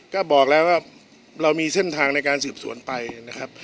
ก็บอกแล้วว่าเรามีเส้นทางในการสืบสวนไปนะครับ